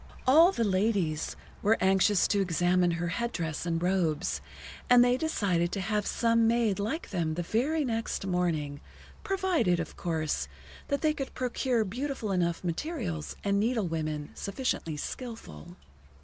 All the ladies were anxious to examine her head dress and robes, and they decided to have some made like them the very next morning, provided, of course, that they could procure beautiful enough materials and needlewomen sufficiently skilful.